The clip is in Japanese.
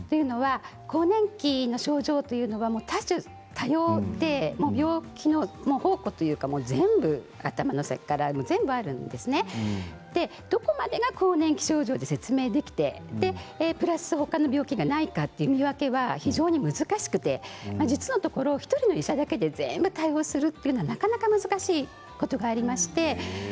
更年期の症状というのは多種多様で病気の宝庫というか全部、頭の先から全部があるのでどこまでが更年期症状と説明ができてプラス他の病気がないかという意味合いでは、なかなか難しくて実のところ１人の医者だけで全部対応するということはなかなか難しいことがあります。